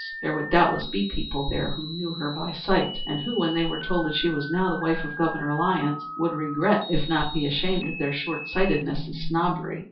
There would doubtless be people there who knew her by sight, and who, when they were told that she was now the wife of Governor Lyons, would regret if not be ashamed of their short sightedness and snobbery.